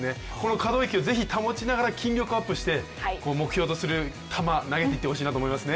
可動域を保ちながら筋力アップして目標とする球投げていってほしいなと思いますね。